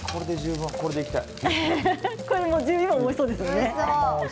これで、もう十分おいしそうですよね。